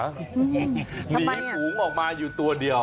หนีฝูงออกมาอยู่ตัวเดียว